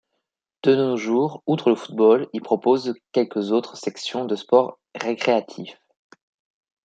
De nos jours, outre le football, il propose quelques autres sections de sports récréatifs.